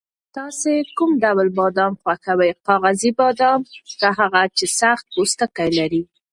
تاسو کوم ډول بادام خوښوئ، کاغذي بادام که هغه چې سخت پوستکی لري؟